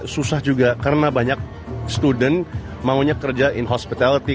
susah juga karena banyak student maunya kerja in hospitality